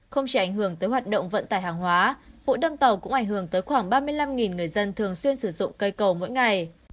không chỉ ảnh hưởng tới hoạt động vận tải hàng hóa vụ đâm tàu cũng ảnh hưởng tới khoảng ba mươi năm người dân thường xuyên sử dụng cây cầu mỗi ngày